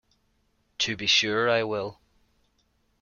To be sure I will.